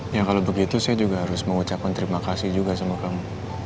ya kalau begitu saya juga harus mengucapkan terima kasih juga sama kamu